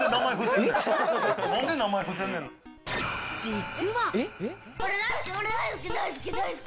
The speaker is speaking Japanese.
実は。